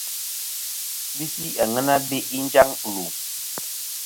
Visi àŋena be'i njaŋ lù.